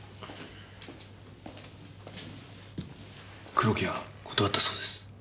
黒木が断ったそうです。